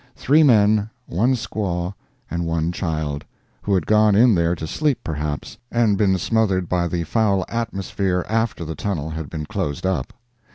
—three men, one squaw and one child, who had gone in there to sleep, perhaps, and been smothered by the foul atmosphere after the tunnel had been closed up.